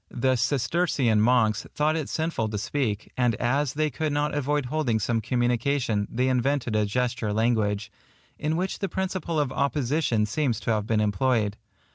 The Cistercian monks thought it sinful to speak, and as they could not avoid holding some communication, they invented a gesture language, in which the principle of opposition seems to have been employed.